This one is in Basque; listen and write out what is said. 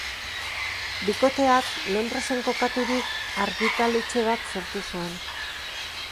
Bikoteak, Londresen kokaturik, argitaletxe bat sortu zuen.